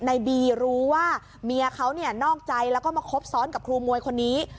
ในบีรู้ว่าเมียเขาเนี่ยนอกใจแล้วก็มาคบซ้อนกับครูมวยคนนี้